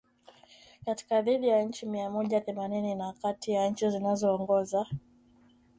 katika zaidi ya nchi mia moja themanini na kati ya nchi zinazoongoza